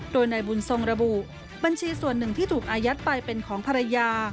โดยนายบุญทรงระบุบัญชีส่วนหนึ่งที่ถูกอายัดไปเป็นของภรรยา